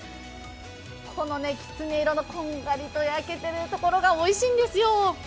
このきつね色のこんがりと焼けているところがおいしいんですよ。